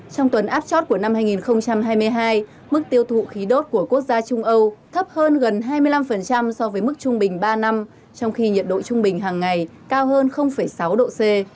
trong tuần áp chót của năm hai nghìn hai mươi hai mức tiêu thụ khí đốt của quốc gia trung âu thấp hơn gần hai mươi năm so với mức trung bình ba năm trong khi nhiệt độ trung bình hàng ngày cao hơn sáu độ c